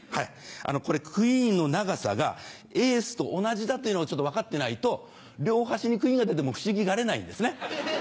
これクイーンの長さがエースと同じだというのをちょっと分かってないと両端にクイーンが出ても不思議がれないんですね。